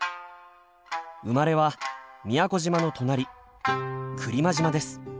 生まれは宮古島の隣来間島です。